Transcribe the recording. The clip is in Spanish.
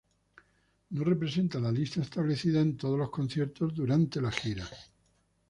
No representa la lista establecida en todos los conciertos durante la gira.